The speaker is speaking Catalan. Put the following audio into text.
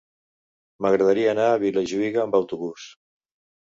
M'agradaria anar a Vilajuïga amb autobús.